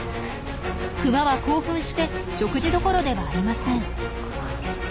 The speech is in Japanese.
クマは興奮して食事どころではありません。